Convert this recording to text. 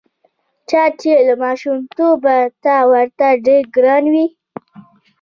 چا چې له ماشومتوبه ته ورته ډېر ګران وې.